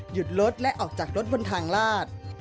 หยุดรถและออกจากรถบนทางลาด